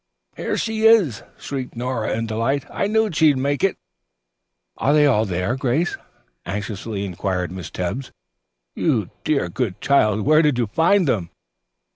"Here she is," shrieked Nora in delight. "I knew she'd make good." "Are they all there, Grace," anxiously inquired Miss Tebbs. "You dear, good child. Where did you find them?"